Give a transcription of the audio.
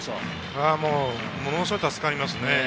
ものすごい助かりますね。